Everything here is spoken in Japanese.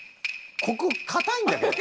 ここ硬いんだけど。